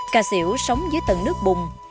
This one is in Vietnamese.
cà xỉu sống dưới tầng nước bùng